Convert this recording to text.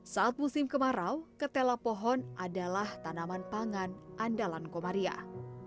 saat musim kemarau ketela pohon adalah tanaman pangan andalan komariah